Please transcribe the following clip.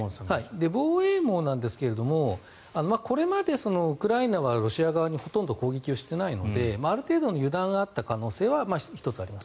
防衛網なんですがこれまでウクライナはロシア側にほとんど攻撃をしていないのである程度の油断があった可能性は１つあります。